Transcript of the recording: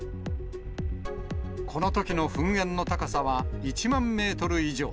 このときの噴煙の高さは１万メートル以上。